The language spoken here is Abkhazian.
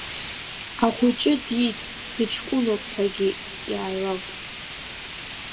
Ахәыҷы диит, дыҷкәыноуп ҳәагьы иааилалт.